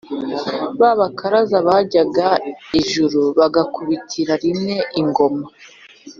ba bakaraza bajyaga ejuru, bagakubitira rimwe ingoma.